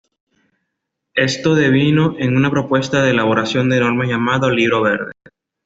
Esto devino en una propuesta de elaboración de normas llamado "Libro Verde".